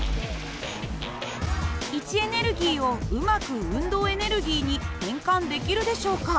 位置エネルギーをうまく運動エネルギーに変換できるでしょうか？